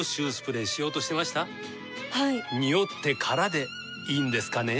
ニオってからでいいんですかね？